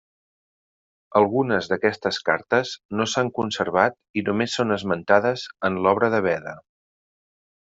Algunes d'aquestes cartes no s'han conservat i només són esmentades en l'obra de Beda.